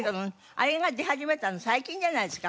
あれが出始めたの最近じゃないですか。